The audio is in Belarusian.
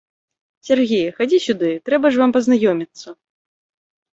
Сяргей, хадзі сюды, трэба ж вам пазнаёміцца.